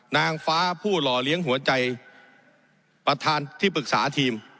นางฟ้าผู้หล่อเลี้ยงหัวใจประธานที่ปรึกษาทีม